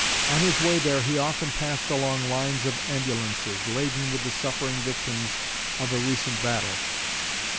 On his way there he often passed long lines of ambulances, laden with the suffering victims of a recent battle.